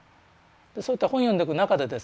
そういった本読んでいく中でですね